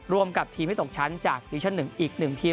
รวมกับทีมที่ตกชั้นจากดิวิชั่น๑อีก๑ทีม